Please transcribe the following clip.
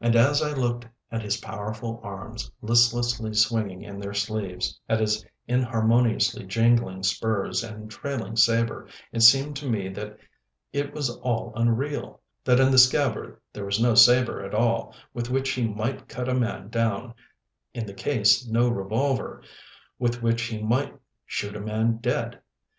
And as I looked at his powerful arms listlessly swinging in their sleeves, at his inharmoniously jingling spurs and trailing sabre, it seemed to me that it was all unreal—that in the scabbard there was no sabre at all with which he might cut a man down, in the case no revolver, with which he might shoot a man dead.